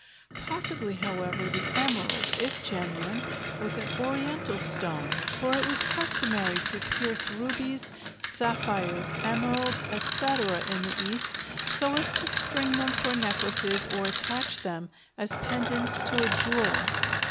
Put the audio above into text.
Possibly, however, the emerald, if genuine, was an Oriental stone, for it was customary to pierce rubies, sapphires, emeralds, etc., in the East so as to string them for necklaces or attach them as pendants to a jewel.